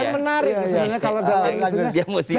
menarik sebenarnya kalau dalam lagu ini